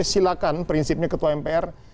silahkan prinsipnya ketua mpr